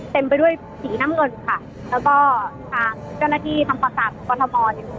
เต็มไปด้วยสีน้ำเงินค่ะแล้วก็ทางเจ้าหน้าที่ทำฝันศาสตร์บรรษมณ์